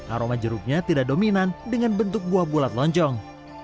aroma jeruknya tidak dominan dengan bentuk buah bulat lonjong